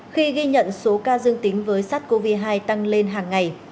nhiều người đã ghi nhận số ca dương tính với sars cov hai tăng lên hàng ngày